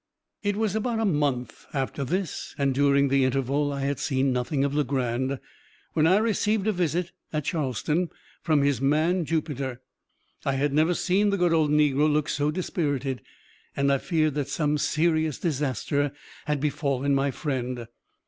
It was about a month after this (and during the interval I had seen nothing of Legrand) when I received a visit, at Charleston, from his man, Jupiter. I had never seen the good old negro look so dispirited, and I feared that some serious disaster had befallen my friend.